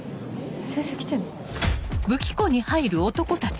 先生来てんの？